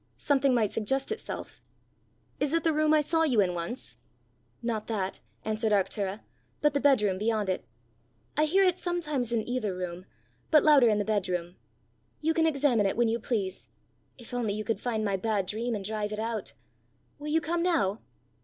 something might suggest itself! Is it the room I saw you in once?" "Not that," answered Arctura, "but the bedroom beyond it. I hear it sometimes in either room, but louder in the bedroom. You can examine it when you please. If only you could find my bad dream, and drive it out! Will you come now?"